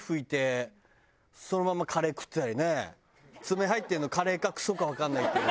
爪入ってるのカレーかクソかわからないっていう。